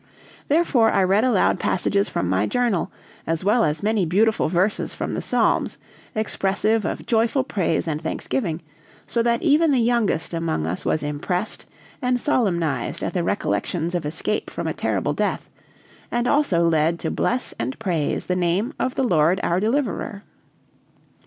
Therefore I read aloud passages from my journal, as well as many beautiful verses from the Psalms, expressive of joyful praise and thanksgiving, so that even the youngest among us was impressed and solemnized at the recollections of escape from a terrible death, and also led to bless and praise the name of the Lord our Deliverer.